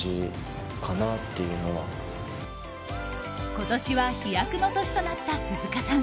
今年は飛躍の年となった鈴鹿さん。